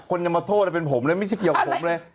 จะมาโทษเป็นผมเลยไม่ใช่เกี่ยวผมเลย